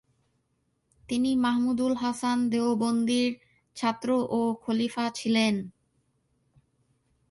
তিনি মাহমুদুল হাসান দেওবন্দির ছাত্র ও খলিফা ছিলেন।